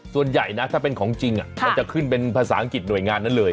ส่วนใหญ่นะถ้าเป็นของจริงมันจะขึ้นเป็นภาษาอังกฤษหน่วยงานนั้นเลย